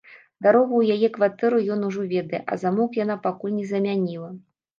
Дарогу ў яе кватэру ён ужо ведае, а замок яна пакуль не замяніла.